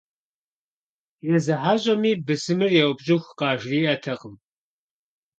Yêzı heş'emi bısımır yêupş'ıxu khajjri'ertekhım.